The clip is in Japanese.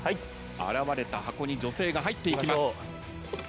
現れた箱に女性が入っていきます。